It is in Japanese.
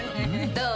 どう？